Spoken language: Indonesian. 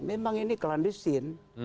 memang ini klandestin